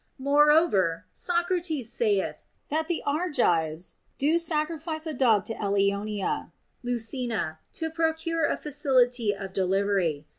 Moreover, Socrates saith that the Argives do sacrifice a dog to Eilioneia (Lucina) to procure a facility of delivery.